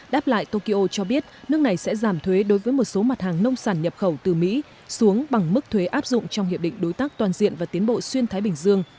đáp lại tokyo cho biết nước này sẽ giảm thuế đối với một số mặt hàng nông sản nhập khẩu từ mỹ xuống bằng mức thuế áp dụng trong hiệp định đối tác toàn diện và tiến bộ xuyên thái bình dương